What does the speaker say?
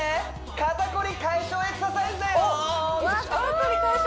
肩こり解消エクササイズだよデュクシ！